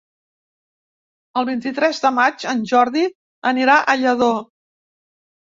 El vint-i-tres de maig en Jordi anirà a Lladó.